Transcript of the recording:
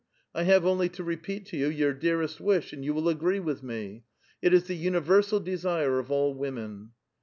1 have only to repeat to you your dearest wish, and you will agree with me. It is the universal desire of all women."